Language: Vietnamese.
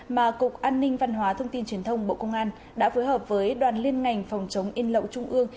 mà cục an ninh văn hóa thông tin truyền thông bộ công an đã phối hợp với đoàn liên ngành phòng chống in lậu trung ương